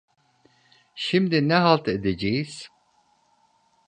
Şimdi ne halt edeceğiz?